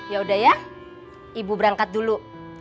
ya udah ya ibu berangkat dulu